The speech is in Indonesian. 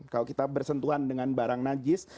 kalau kita bersentuhan dengan barang najis